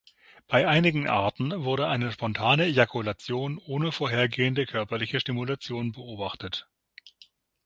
Bei einigen Arten wurde eine spontane Ejakulation ohne vorhergehende körperliche Stimulation beobachtet.